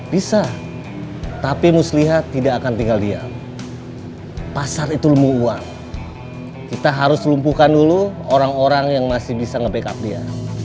bisa tapi muslihat tidak akan tinggal dia pasar itu ilmu uang kita harus lumpuhkan dulu orang orang yang masih bisa nge backup dia